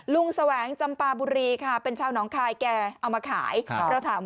แสวงจำปาบุรีค่ะเป็นชาวหนองคายแกเอามาขาย